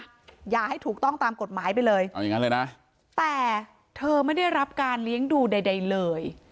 หย่าให้ถูกต้องตามกฎหมายไปเลยแต่เธอไม่ได้รับการเลี้ยงดูใดเลย